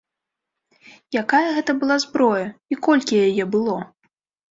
Якая гэта была зброя, і колькі яе было?